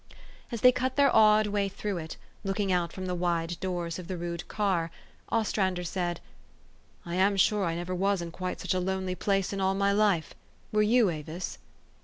As they cut their awed way through it, looking out from the wide doors of the rude car, Ostrander said, 4 ' I am sure I never was in quite such a lonely place in all my life ; were you, Avis